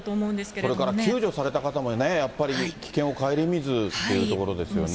それから救助された方も、やっぱり危険を顧みずっていうところですよね。